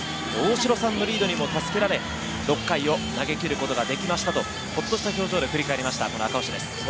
大城さんのリードにも助けられ６回を投げきることができましたと、ほっとした表情で振り返りました、赤星です。